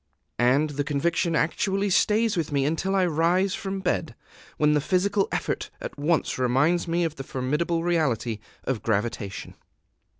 And the conviction actually stays with me until I rise from bed, when the physical effort at once reminds me of the formidable reality of gravitation.